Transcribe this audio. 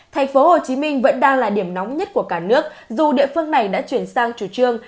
tp hcm vẫn đang là điểm nóng nhất của cả nước dù địa phương này đã chuyển sang chủ trương